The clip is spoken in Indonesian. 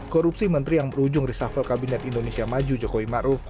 korupsi menteri yang berujung reshuffle kabinet indonesia maju jokowi ma'ruf